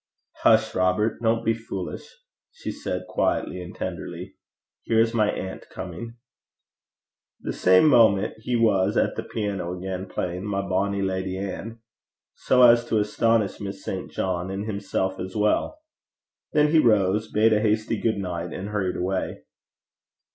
'Hush, Robert! Don't be foolish,' she said, quietly and tenderly. 'Here is my aunt coming.' The same moment he was at the piano again, playing My Bonny Lady Ann, so as to astonish Miss St. John, and himself as well. Then he rose, bade her a hasty good night, and hurried away.